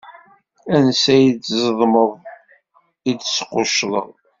Ansa i d-tzedmeḍ i d-squccḍeɣ.